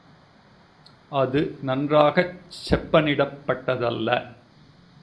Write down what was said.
அது நன்றாகச் செப்பனிடப்பட்டதல்ல.